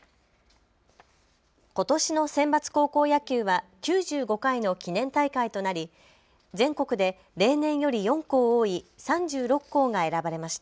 ことしのセンバツ高校野球は９５回の記念大会となり全国で例年より４校多い３６校が選ばれました。